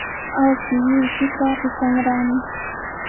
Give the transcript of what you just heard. Awkilluykiqa rikanraqmi.